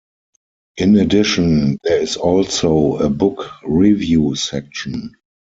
In addition, there is also a book review section.